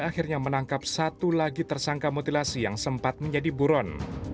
akhirnya menangkap satu lagi tersangka mutilasi yang sempat menjadi buron